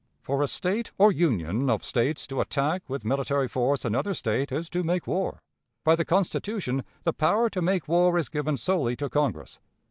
For a State or union of States to attack with military force another State, is to make war. By the Constitution, the power to make war is given solely to Congress.